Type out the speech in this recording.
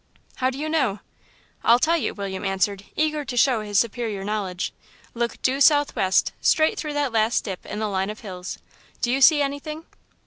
"How do you know?" "I'll tell you," William answered, eager to show his superior knowledge. "Look due south west, straight through that last dip in that line of hills. Do you see anything?"